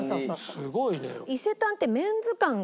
すごいね。